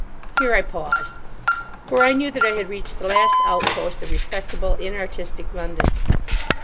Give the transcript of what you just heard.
Here I paused, for I knew that I had reached the last outpost of respectable, inartistic London.